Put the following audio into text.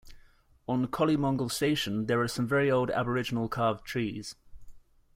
On Collymongle Station there are some very old aboriginal carved trees.